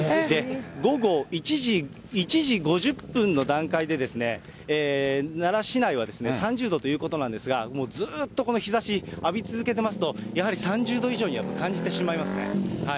午後１時５０分の段階でですね、奈良市内は３０度ということなんですが、もうずっとこの日ざし浴び続けてますと、やはり３０度以上には感じてしまいますね。